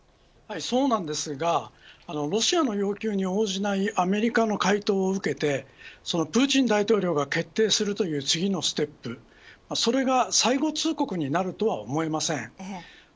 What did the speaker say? そうなんですがロシアの要求に応じないアメリカの回答を受けてプーチン大統領が決定するという次のステップそれが最後通告になるとは思えません。